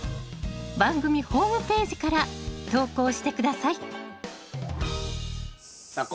番組ホームページから投稿して下さいさあ